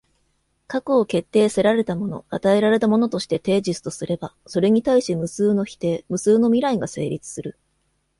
過去を決定せられたもの、与えられたものとしてテージスとすれば、それに対し無数の否定、無数の未来が成立する。